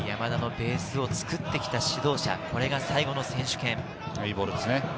青森山田のベースを作ってきた指導者、これが最後の選手いいボールですね。